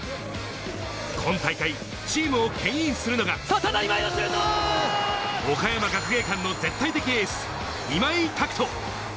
今大会、チームをけん引するのが、岡山学芸館の絶対的エース・今井拓人。